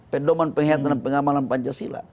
pendorongan penghidupan dan pengamalan pancasila